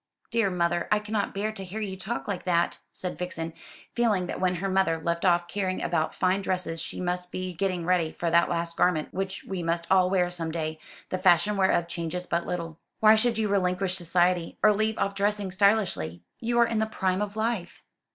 "Dear mother, I cannot bear to hear you talk like that," said Vixen, feeling that when her mother left off caring about fine dresses she must be getting ready for that last garment which we must all wear some day, the fashion whereof changes but little. "Why should you relinquish society, or leave off dressing stylishly? You are in the prime of life."